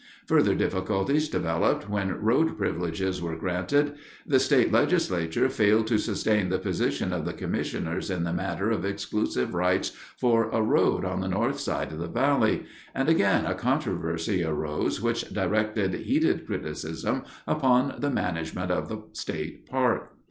Further difficulties developed when road privileges were granted. The state legislature failed to sustain the position of the commissioners in the matter of exclusive rights for a road on the north side of the valley, and again a controversy arose which directed heated criticism upon the management of the state park.